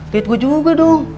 liat gua juga dong